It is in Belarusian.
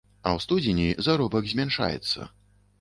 А ў студзені заробак змяншаецца.